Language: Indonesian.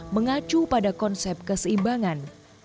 mengacu pada konsep keseimbangan